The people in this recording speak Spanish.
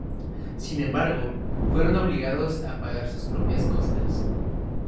Sin embargo, fueron obligados a pagar sus propias costas.